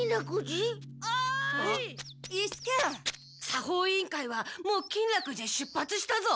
作法委員会はもう金楽寺へ出発したぞ。